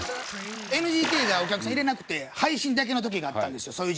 ＮＧＫがお客さん入れなくて配信だけの時があったんですよ